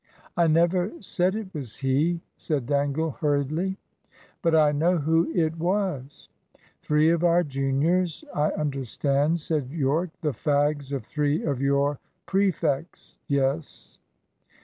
"I never said it was he," said Dangle hurriedly. "But I know who it was." "Three of our juniors, I understand?" said Yorke. "The fags of three of your prefects, yes."